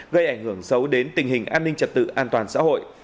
gây ảnh hưởng xấu đến tình hình an ninh trật tự an toàn xã hội